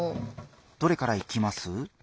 どれからいきます？